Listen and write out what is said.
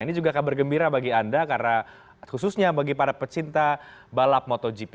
ini juga kabar gembira bagi anda karena khususnya bagi para pecinta balap motogp